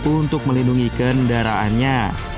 untuk melindungi kendaraannya